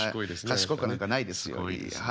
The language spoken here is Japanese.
賢くなんかないですよ。